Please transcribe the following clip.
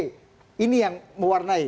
ini yang mewarnai